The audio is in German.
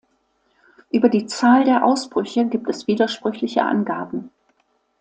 Über die Zahl der Ausbrüche gibt es widersprüchliche Angaben.